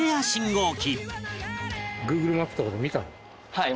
はい。